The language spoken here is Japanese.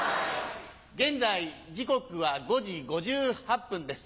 現在時刻は５時５８分です。